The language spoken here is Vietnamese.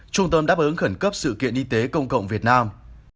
trung tâm đáp ứng khẩn cấp sự kiện y tế công cộng việt nam